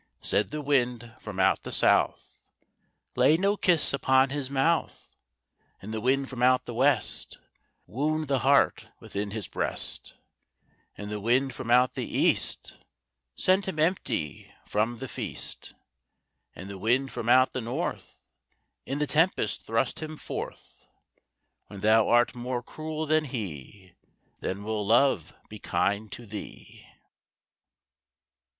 Said the wind from out the south, "Lay no kiss upon his mouth," And the wind from out the west, "Wound the heart within his breast," And the wind from out the east, "Send him empty from the feast," And the wind from out the north, "In the tempest thrust him forth; When thou art more cruel than he, Then will Love be kind to thee."